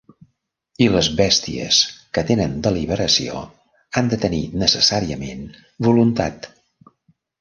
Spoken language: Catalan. I les bèsties que tenen deliberació han de tenir necessàriament voluntat.